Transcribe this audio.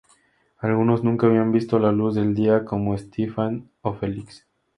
Algunos nunca habían visto la luz del día como Stephan o Felix.